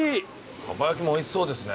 蒲焼もおいしそうですね。